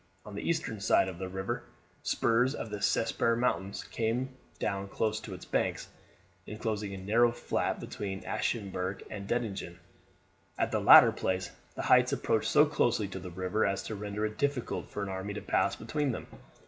On the eastern side of the river spurs of the Spessart Mountains came down close to its bank, inclosing a narrow flat between Aschaffenburg and Dettingen. At the latter place the heights approached so closely to the river as to render it difficult for an army to pass between them.